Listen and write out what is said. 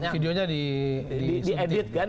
video nya di edit kan